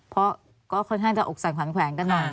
เพราะก็ค่อนข้างจะอกสั่นขวัญแขวงกันหน่อย